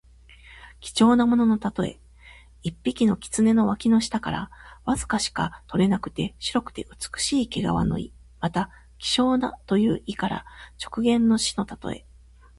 貴重なもののたとえ。一匹の狐の脇の下からわずかしか取れない白くて美しい毛皮の意。また、希少なという意から直言の士のたとえ。